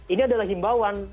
ini adalah himbauan